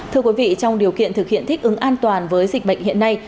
thưa quý vị trong điều kiện thực hiện thích ứng an toàn với dịch bệnh hiện nay